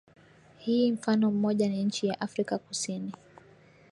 hiyo Mfano mmoja ni nchi ya Afrika Kusini